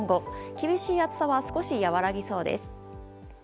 厳しい暑さは少し和らぎそうです。